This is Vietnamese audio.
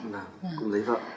cũng lấy vợ